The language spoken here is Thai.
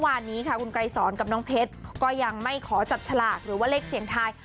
วันนี้ค่ะคุณไกรสอนกับน้องเพชรก็ยังไม่ขอจับฉลากหรือว่าเลขเสียงทาย